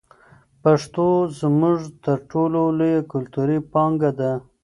پښتو زموږ تر ټولو لویه کلتوري پانګه ده.